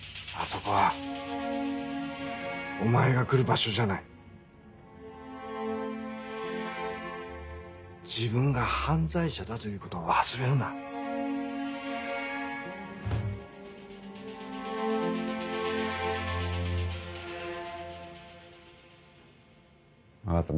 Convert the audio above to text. そこはお前が来る場所じゃない自分が犯罪者だということを忘れるな分かった